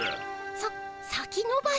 さ先のばし？